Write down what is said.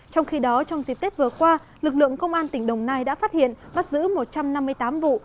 trong khi đó trong dịp tết vừa qua lực lượng công an tỉnh đồng nai đã phát hiện bắt giữ một trăm năm mươi tám vụ